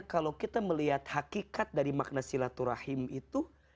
kalau kita melihat hakikat dari makna silaturahim itu